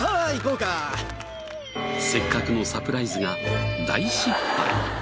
せっかくのサプライズが大失敗。